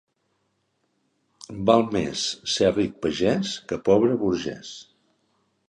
Val més ser ric pagès que pobre burgès.